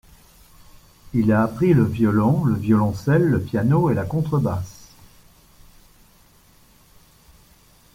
Il a appris le violon, le violoncelle, le piano et la contrebasse.